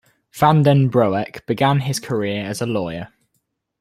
Van den Broek began his career as a lawyer.